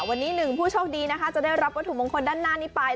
วันนี้หนึ่งผู้โชคดีนะคะจะได้รับวัตถุมงคลด้านหน้านี้ไป